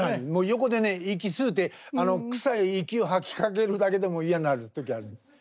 横でね息吸うて臭い息を吐きかけるだけでもう嫌になる時あるんです。